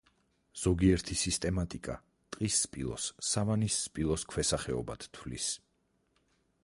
ზოგიერთი სისტემატიკა ტყის სპილოს სავანის სპილოს ქვესახეობად თვლის.